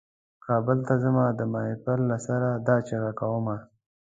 کابل ته ځمه د ماهیپر له سره دا چیغه کومه.